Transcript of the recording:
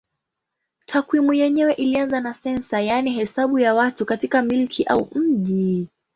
Takwimu yenyewe ilianza na sensa yaani hesabu ya watu katika milki au mji.